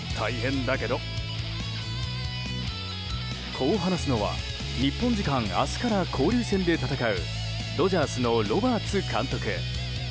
こう話すのは日本時間明日から交流戦で戦うドジャースのロバーツ監督。